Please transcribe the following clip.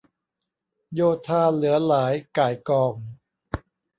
โยธาเหลือหลายก่ายกอง